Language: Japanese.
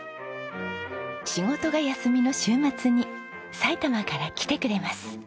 仕事が休みの週末に埼玉から来てくれます。